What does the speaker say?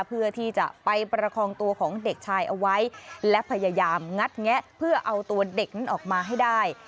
เพื่อที่จะไปประคองตัวของเด็กชายเอาไว้และพยายามงัดแงะเพื่อเอาตัวเด็กนั้นออกมาให้ได้